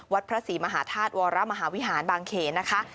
พระศรีมหาธาตุวรมหาวิหารบางเขนนะคะ